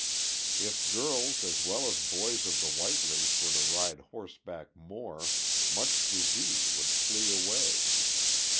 If girls as well as boys of the white race were to ride horseback more, much disease would flee away.